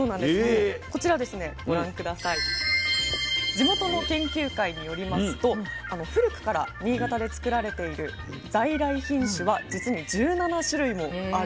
地元の研究会によりますと古くから新潟で作られている在来品種はじつに１７種類もあるんです。